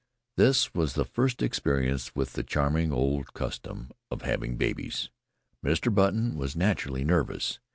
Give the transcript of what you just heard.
This was their first experience with the charming old custom of having babies Mr. Button was naturally nervous.